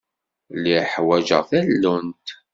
Lliɣ ḥwaǧeɣ tallunt.